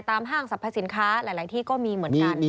ห้างสรรพสินค้าหลายที่ก็มีเหมือนกัน